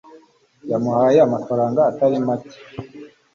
Yamuhaye amafaranga atari make.